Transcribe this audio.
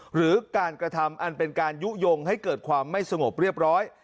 หรือการกระทำอันเป็นการยุโยงให้เกิดความไม่สงบเรียบร้อย